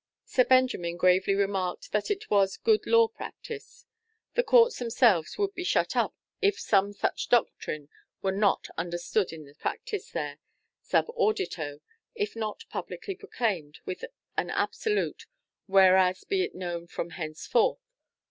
Sir Benjamin gravely remarked that it was good law practice. The courts themselves would be shut up if some such doctrine were not understood in the practice there, subaudito, if not publicly proclaimed with an absolute "Whereas be it known from henceforth."